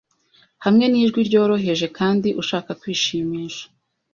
hamwe nijwi ryoroheje Kandi ushaka kwishimisha